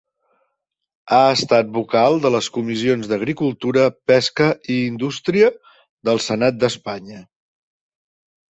Ha estat vocal de les comissions d'agricultura, pesca i indústria del Senat d'Espanya.